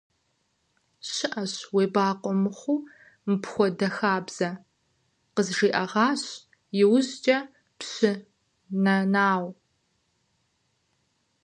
– ЩыӀэщ уебакъуэ мыхъуу мыпхуэдэ хабзэ, – къызжиӀэгъащ иужькӀэ Пщы Нэнау.